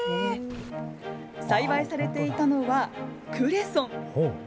栽培されていたのはクレソン。